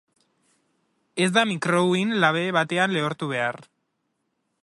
Ez da mikrouhin-labe batean lehortu behar.